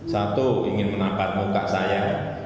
satu ingin menampar muka saya